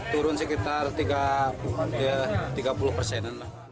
turun sekitar tiga puluh persenan